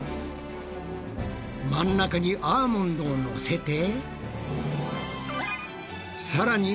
真ん中にアーモンドをのせて。